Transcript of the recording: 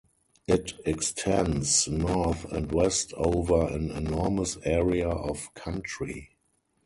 It extends north and west over an enormous area of country.